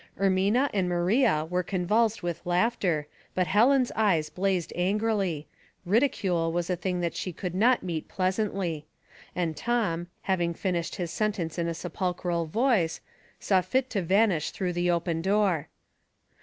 Ermina and Maria were convulsed with laugh ter, but Helen's eyes blazed angrily — ridicule was a thing that she could not meet pleasantly ; and Tom, having finished his tsentence in a sepulchral voice, saw fit to vanish through the open door.